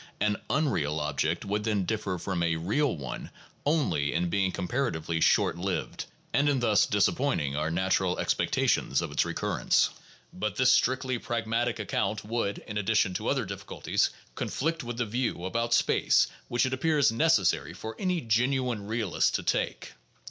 An "unreal" object would then differ from a "real" one only in being comparatively short lived, and in thus disappointing our natural expectations of its recurrence. But this strictly pragmatic account would (in addition to other difficulties) conflict with the view about space which it appears necessary for any genuine realist to take.